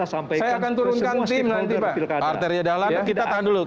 saya akan turunkan tim nanti pak